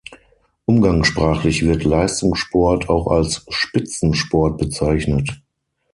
Umgangssprachlich wird Leistungssport auch als Spitzensport bezeichnet.